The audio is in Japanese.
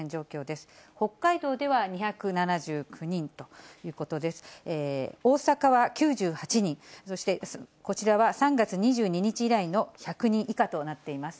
大阪は９８人、そしてこちらは３月２２日以来の１００人以下となっています。